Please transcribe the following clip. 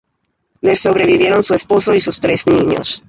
Le sobrevivieron su esposo y sus tres niños.